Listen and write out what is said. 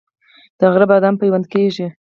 د غره بادام پیوند کیږي؟